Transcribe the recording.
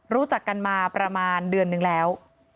รู้จักกันมาประมาณเดือนนึงแล้ว